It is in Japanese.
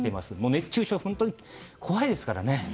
熱中症、本当に怖いですから。